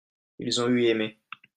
ils ont eu aimé.